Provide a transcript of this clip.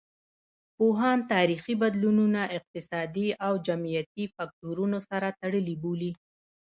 پوهان تاریخي بدلونونه اقتصادي او جمعیتي فکتورونو سره تړلي بولي.